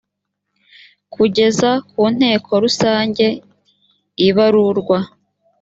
kugeza ku nteko rusange ibarurwa